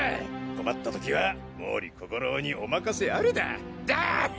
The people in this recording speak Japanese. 困った時は毛利小五郎にお任せあれだ。だっ